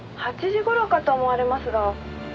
「８時頃かと思われますが」